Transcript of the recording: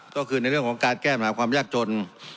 ก็คือในเรื่องของการแก้ปัญหาความยากจน